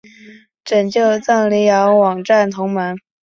拯救藏羚羊网站同盟